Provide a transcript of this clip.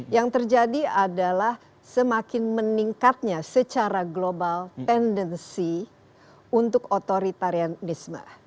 yang terjadi adalah semakin meningkatnya secara global tendensi untuk otoritarianisme